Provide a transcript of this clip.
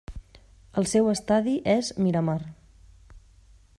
El seu estadi és Miramar.